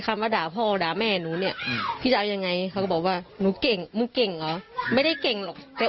กลับมากลับมาชอบกระแตวลากับสัญละหา